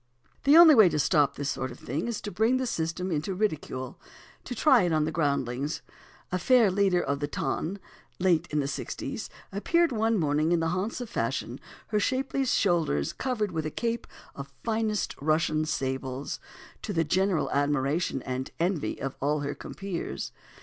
The only way to stop this sort of thing is to bring the system into ridicule, to try it on the groundlings. A fair leader of ton, late in the sixties, appeared one morning in the haunts of fashion, her shapely shoulders covered with a cape of finest Russian sables, to the general admiration and envy of all her compeers.